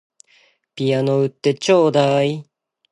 ピアノ売ってちょうだい